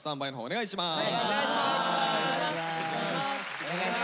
お願いします。